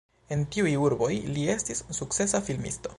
En tiuj urboj li estis sukcesa filmisto.